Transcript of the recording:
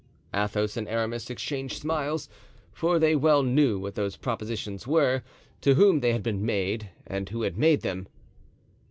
Athos and Aramis exchanged smiles; for they well knew what those propositions were, to whom they had been made and who had made them.